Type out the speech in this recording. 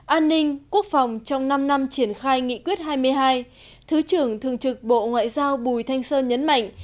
an ninh quốc phòng trong năm năm triển khai nghị quyết hai mươi hai thứ trưởng thường trực bộ ngoại giao bùi thanh sơn nhấn mạnh